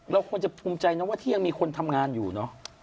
เราควรจะภูมิใจนะว่าที่ยังมีคนทำงานอยู่เนอะ